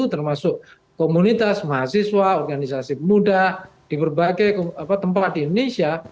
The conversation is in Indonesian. termasuk komunitas mahasiswa organisasi pemuda di berbagai tempat di indonesia